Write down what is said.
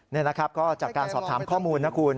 นี่นะครับก็จากการสอบถามข้อมูลนะคุณ